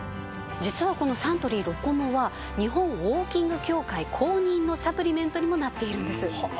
実はこのサントリーロコモア日本ウオーキング協会公認のサプリメントにもなっているんです。